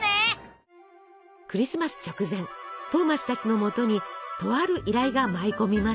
クリスマス直前トーマスたちのもとにとある依頼が舞い込みます。